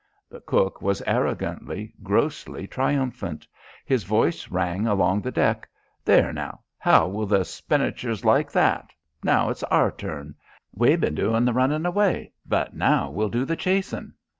The cook was arrogantly, grossly triumphant. His voice rang along the deck. "There, now! How will the Spinachers like that? Now, it's our turn! We've been doin' the runnin' away but now we'll do the chasin'!"